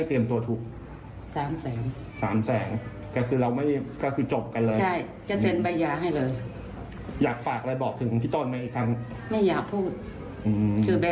เธอยับบอกถ้าอยากไปจริงก็อย่าเขาเรียกความเสียหายแค่นั่นแหละ